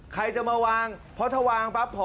ใครจะมาวางเพราะถ้าวางปั๊บพอ